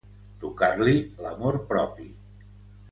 Tocar-li l'amor propi.